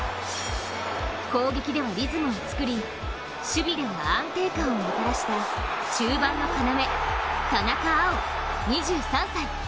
攻撃ではリズムを作り守備では安定感をもたらした、中盤の要・田中碧２３歳。